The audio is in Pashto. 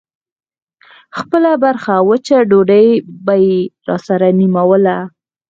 خپله برخه وچه ډوډۍ به يې راسره نيموله.